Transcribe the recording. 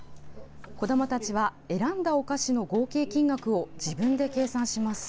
子どもたちは、選んだお菓子の合計金額を自分で計算します。